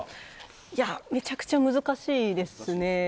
いや、めちゃくちゃ難しいですね。